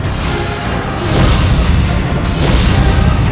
kau tidak bisa menang